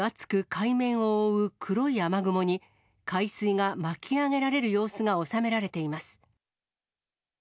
海面を覆う黒い雨雲に海水が巻き上げられる様子が収められています。